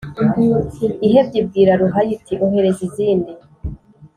ihebye ibwira ruhaya iti «ohereza izindi,